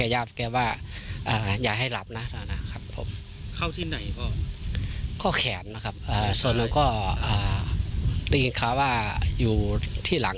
อยากฟังในมุมของคนเจ็บลุงมัยตรีบ้าง